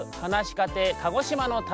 かてい鹿児島の旅」